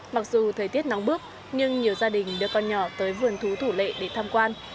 mặc dù thời tiết nóng bước nhưng nhiều gia đình đưa con nhỏ tới vườn thú thủ lệ để tham quan